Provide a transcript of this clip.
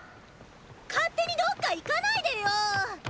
勝手にどっか行かないでよォ。